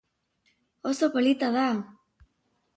Oso polita da!